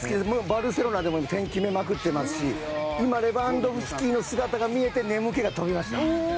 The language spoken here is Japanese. バルセロナでも点を決めまくってますし今、レバンドフスキの姿が見えて眠気が飛びました。